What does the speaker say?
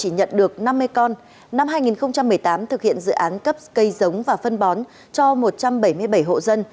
năm hai nghìn một mươi tám thực hiện dự án cấp cây giống và phân bón cho một trăm bảy mươi bảy hộ dân